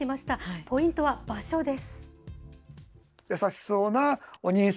ポイントは場所です。